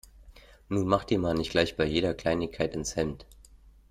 Nun mach dir mal nicht gleich bei jeder Kleinigkeit ins Hemd.